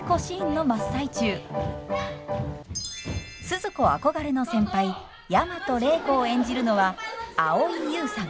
スズ子憧れの先輩大和礼子を演じるのは蒼井優さん。